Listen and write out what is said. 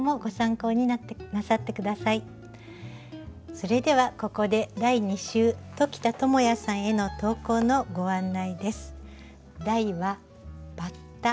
それではここで第２週鴇田智哉さんへの投稿のご案内です。